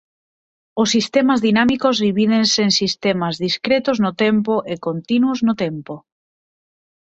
Os sistemas dinámicos divídense en sistemas "discretos" no tempo e "continuos" no tempo.